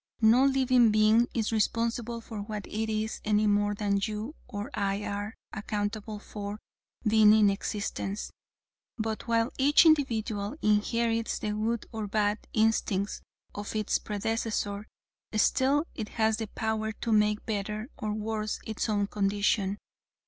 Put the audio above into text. No living being is responsible for what it is any more than you or I are accountable for being in existence. But while each individual inherits the good or bad instincts of its predecessor, still it has the power to make better or worse its own condition.